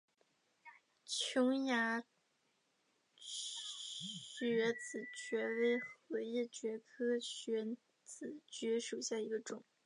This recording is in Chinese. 琼崖穴子蕨为禾叶蕨科穴子蕨属下的一个种。